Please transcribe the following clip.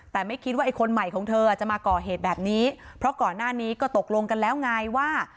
แต่ไม่คิดว่าไอ้คนใหม่ของเธอจะมาก่อเหตุแบบนี้เพราะก่อนหน้านี้ก็ตกลงกันแล้วไงว่า